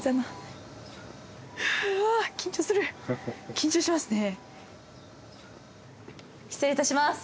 緊張しますね。